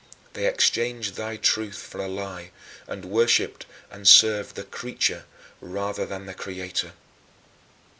" "They exchanged thy truth for a lie, and worshiped and served the creature rather than the Creator."